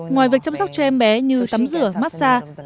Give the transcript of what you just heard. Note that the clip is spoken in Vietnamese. ngoài việc chăm sóc cho em bé như tắm rửa mát xa cho em bé làm việc